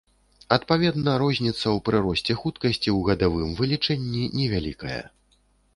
Адпаведна, розніца ў прыросце хуткасці ў гадавым вылічэнні невялікая.